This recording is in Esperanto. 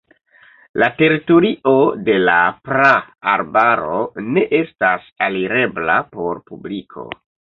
La teritorio de la praarbaro ne estas alirebla por publiko.